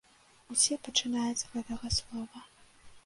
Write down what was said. Усе пачынаюць з гэтага слова.